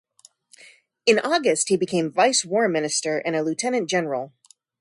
In August, he became Vice War Minister and a lieutenant general.